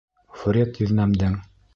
Фред еҙнәмдең: